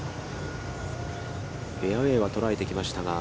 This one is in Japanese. フェアウェイは捉えてきましたが。